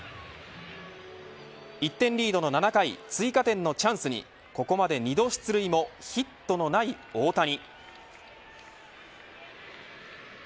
１点リードの７回追加点のチャンスにここまで２度出塁もヒットのない大谷。